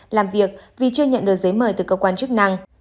làm việc vì chưa nhận được giấy mời từ cơ quan chức năng